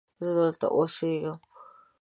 زه دلته اوسیږم